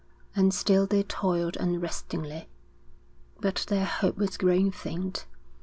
And still they toiled unrestingly. But their hope was growing faint.